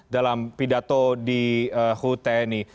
dalam pidato di hutei ini